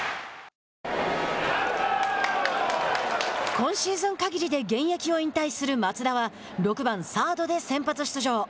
今シーズンかぎりで現役を引退する松田は６番サードで先発出場。